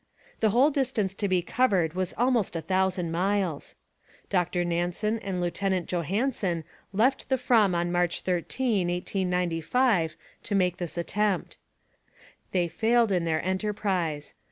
The whole distance to be covered was almost a thousand miles. Dr Nansen and Lieutenant Johansen left the Fram on March 13, 1895, to make this attempt. They failed in their enterprise.